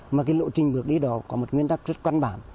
mà cái lộ trình bước đi đó có một nguyên tắc rất căn bản